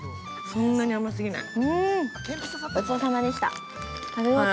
そんなに甘すぎない。